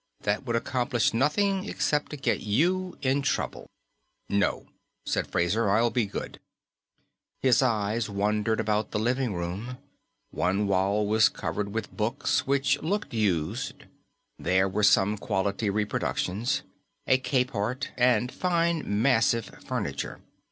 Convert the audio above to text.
That would accomplish nothing except to get you in trouble." "No," said Fraser, "I'll be good." His eyes wandered about the living room. One wall was covered with books which looked used; there were some quality reproductions, a Capehart, and fine, massive furniture.